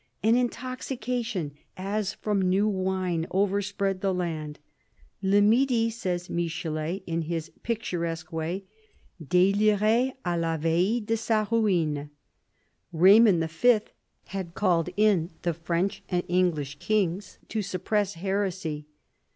An intoxication, as from new wine, overspread the land. "Le midi," says Michelet in his picturesque way, "delirait a la veille de sa ruine." Eaymond V. had called in the French and English kings to suppress heresy.